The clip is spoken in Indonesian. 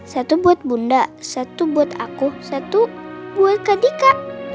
satu buat bunda satu buat aku satu buat kak dika